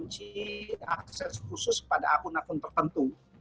mereka berhasil mendapatkan kunci kunci akses khusus pada akun akun tertentu